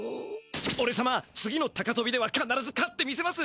おれさま次の高とびではかならず勝ってみせます！